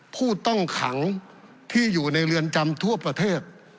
ผู้ต้องขังที่อยู่ในเรือนจำทั่วประเทศ